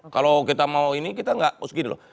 kalau kita mau ini kita gak harus begini loh